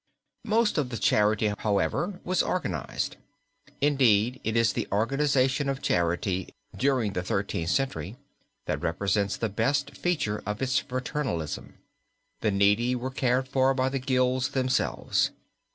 Most of the charity, however, was organized. Indeed it is the organization of charity during the Thirteenth Century that represents the best feature of its fraternalism. The needy were cared for by the gilds themselves.